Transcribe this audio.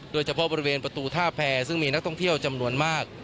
โดยเฉพาะบริเวณประตูท่าแพรซึ่งมีนักท่องเที่ยวจำนวนมาก